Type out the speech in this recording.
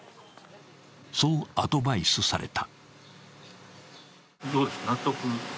そうアドバイスされた。